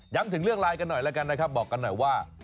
ถึงเรื่องไลน์กันหน่อยแล้วกันนะครับบอกกันหน่อยว่า